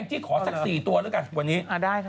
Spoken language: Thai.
ที่ขอสัก๔ตัวแล้วกันวันนี้